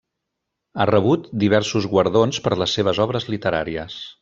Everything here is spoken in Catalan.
Ha rebut diversos guardons per les seves obres literàries.